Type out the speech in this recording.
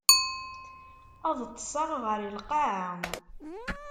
Ad ṭṭseɣ ɣer lqaεa.